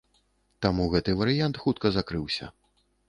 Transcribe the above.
Таму гэты варыянт хутка закрыўся.